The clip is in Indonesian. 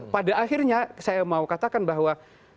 pada akhirnya saya mau katakan bahwa